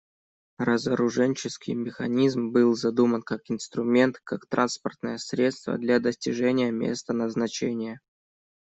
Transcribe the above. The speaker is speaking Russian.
Разоруженческий механизм был задуман как инструмент, как транспортное средство для достижения места назначения.